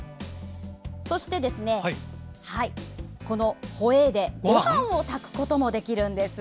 そして、ホエーでごはんを炊くこともできます。